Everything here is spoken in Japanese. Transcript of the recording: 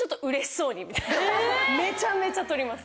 めちゃめちゃ録ります。